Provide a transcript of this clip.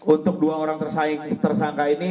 untuk dua orang tersangka ini